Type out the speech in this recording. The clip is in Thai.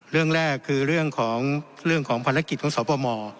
เรื่องแรกคือเรื่องของเรื่องของภารกิจของสวมประมวล